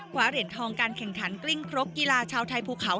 เหรียญทองการแข่งขันกลิ้งครกกีฬาชาวไทยภูเขา